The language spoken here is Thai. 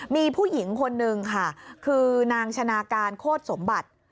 มีผู้หญิงคนนึงค่ะคือนางชนะการโคตรสมบัติ